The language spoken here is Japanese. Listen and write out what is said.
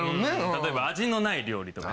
例えば味のない料理とかね。